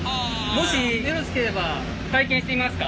もしよろしければ体験してみますか？